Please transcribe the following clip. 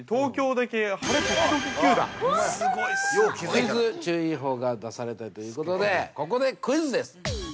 ◆クイズ注意報が出されたということで、ここでクイズです。